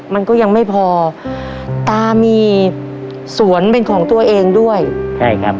มันก็ยังไม่พอตามีสวนเป็นของตัวเองด้วยใช่ครับ